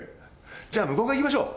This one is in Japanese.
じゃあ向こう側行きましょう。